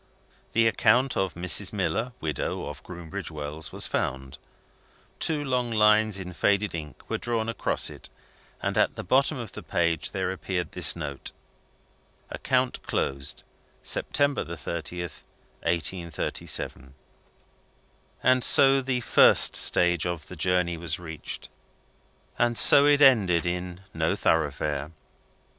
The account of Mrs. Miller, widow, of Groombridge Wells, was found. Two long lines, in faded ink, were drawn across it; and at the bottom of the page there appeared this note: "Account closed, September 30th, 1837." So the first stage of the journey was reached and so it ended in No Thoroughfare!